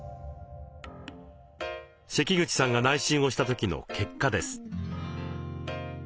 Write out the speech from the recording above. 関口さんが内診をした時の結果です。